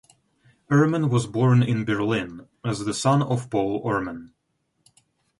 Erman was born in Berlin as the son of Paul Erman.